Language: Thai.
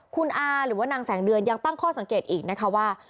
คุณอาหรือว่านางแสงเดือนยังตั้งข้อสังเกตอีกนะคะว่า